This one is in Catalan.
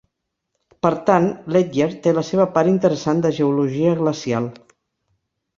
Per tant, Ledyard té la seva part interessant de geologia glacial.